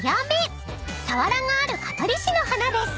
［佐原がある香取市の花です］